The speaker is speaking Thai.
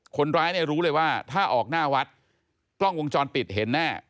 คนร้ายเนี่ยรู้เลยว่าถ้าออกหน้าวัดกล้องวงจรปิดเห็นแน่